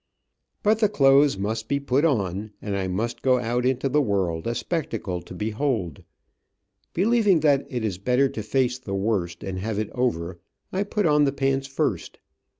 But the clothes must be put on, and I must go out into the world a spectacle to behold. Believing that it is better to face the worst, and have it over, I put on the pants first.